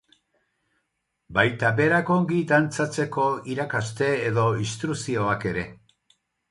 Baita berac ongui dantzatzeko iracaste edo instruccioak ere.